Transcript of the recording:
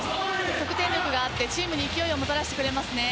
得点力があってチームに勢いをもたらしてくれますね。